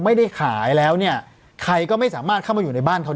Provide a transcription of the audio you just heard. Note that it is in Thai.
ไม่ได้ขายแล้วเนี่ยใครก็ไม่สามารถเข้ามาอยู่ในบ้านเขาได้